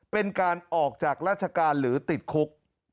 เป็นการออกจากราชการหรือติดคุก